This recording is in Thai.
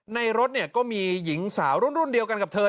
ในรถก็มีหญิงสาวรุ่นเดียวกัน